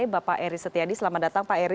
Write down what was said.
bapak eri setiadi selamat datang pak eri